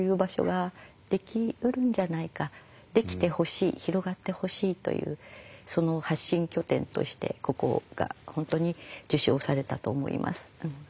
できてほしい広がってほしいというその発信拠点としてここが本当に受賞されたと思います。